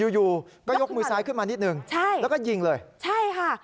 อยู่อยู่ก็ยกมือซ้ายขึ้นมานิดหนึ่งใช่แล้วก็ยิงเลยใช่ค่ะ